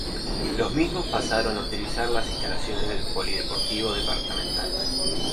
Los mismos pasaron a utilizar las instalaciones del Polideportivo departamental.